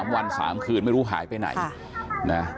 วัน๓คืนไม่รู้หายไปไหนนะ